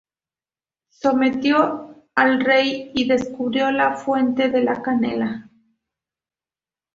Sometió al rey y descubrió la fuente de la canela.